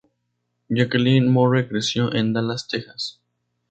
Jacqueline Moore creció en Dallas, Texas.